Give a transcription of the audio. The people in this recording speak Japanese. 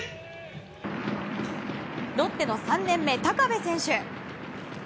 ロッテの３年目、高部選手。